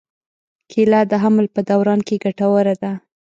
کېله د حمل په دوران کې ګټوره ده.